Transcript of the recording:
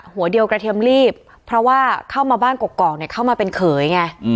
หัวเดียวกระเทียมรีบเพราะว่าเข้ามาบ้านกอกเนี่ยเข้ามาเป็นเขยไง